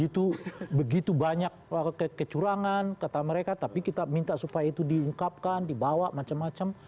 itu begitu banyak kecurangan kata mereka tapi kita minta supaya itu diungkapkan dibawa macam macam